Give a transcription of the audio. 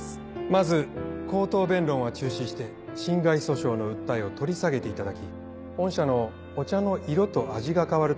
まず口頭弁論は中止して侵害訴訟の訴えを取り下げていただき御社の「お茶の色と味が変わる」